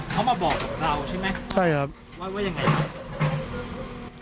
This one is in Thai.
เขามาบอกเราใช่ไหมว่าอย่างไรนะใช่ครับ